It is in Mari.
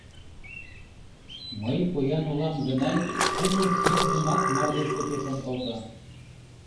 — Мый поян улам гынай кумыр-шымыржымат мардеж почеш ом колто.